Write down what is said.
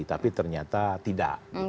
tapi ternyata tidak